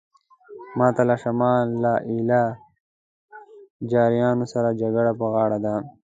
ماته له شمال له ایله جاریانو سره جګړه په غاړه ده.